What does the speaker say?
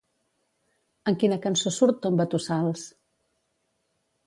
En quina cançó surt Tombatossals?